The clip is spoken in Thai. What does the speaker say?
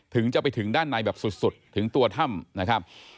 จะไปถึงด้านในแบบสุดถึงตัวถ้ำนะครับ